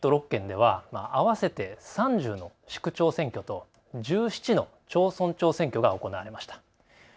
関東の１都６県では合わせて３０の市区長選挙と１７の町村長選挙が行われました。